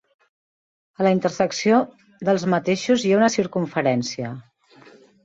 A la intersecció dels mateixos hi ha una circumferència.